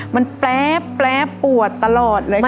มันแป๊บแป๊บปวดตลอดเลยค่ะ